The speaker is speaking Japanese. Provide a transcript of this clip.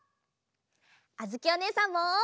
あづきおねえさんも！